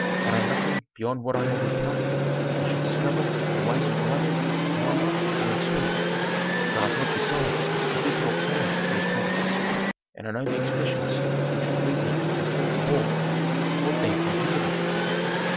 "Had I nothing beyond what I have recounted I should discover the ways of the labyrinth in one month or in two, but I have besides a detailed plan of those passages and I know the expressions which will lead me from hall to hall. What then can hinder me?"